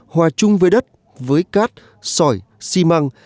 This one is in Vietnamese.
hòa chung với đất với cát sỏi xi măng